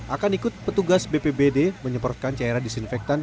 akan ikut petugas bpbd menyemprotkan cairan disinfektan